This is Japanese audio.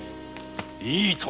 いいとも。